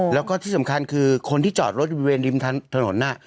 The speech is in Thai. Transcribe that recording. แล้วก็ที่สำคัญคือคนที่จอดรถอยู่บริเวณริมถนน